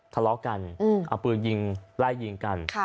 ทะเลาะกันเอาปืนยิงไล่ยิงกัน